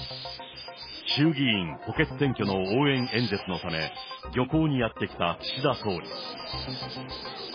衆議院補欠選挙の応援演説のため、漁港にやって来た岸田総理。